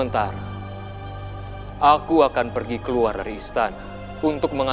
kayak yang inocen